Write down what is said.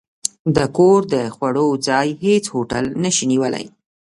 د کور د خوړو، ځای هېڅ هوټل نه شي نیولی.